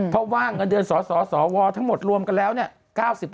เพราะว่าเงินเดือนสสวทั้งหมดรวมกันแล้วเนี่ย